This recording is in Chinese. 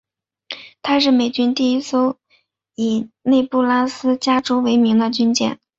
她是美军第一艘以内布拉斯加州为名的军舰。